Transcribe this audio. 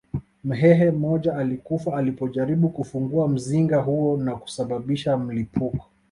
Mhehe mmoja alikufa alipojaribu kufungua mzinga huo na kusababisha mlipuko